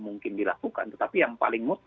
mungkin dilakukan tetapi yang paling